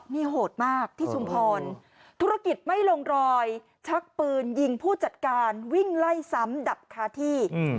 นี่โหดมากที่ชุมพรธุรกิจไม่ลงรอยชักปืนยิงผู้จัดการวิ่งไล่ซ้ำดับคาที่